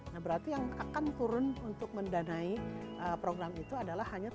nah berarti yang akan turun untuk mendanai program itu adalah hanya tujuh ratus juta